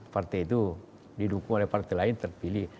partai itu didukung oleh partai lain terpilih